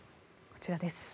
こちらです。